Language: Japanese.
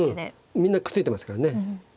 うんみんなくっついてますからね。